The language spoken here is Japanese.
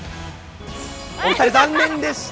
お２人、残念でした。